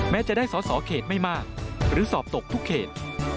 จะได้สอสอเขตไม่มากหรือสอบตกทุกเขต